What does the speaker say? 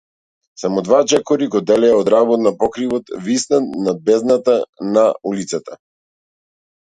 Само два чекори го делеа од работ на покривот виснат над бездната на улицата.